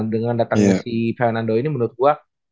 dengan datangnya si fernando ini menurut gue